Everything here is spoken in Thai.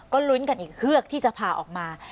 ก็ลุ้นกันอีกเฮือกที่จะพาออกมา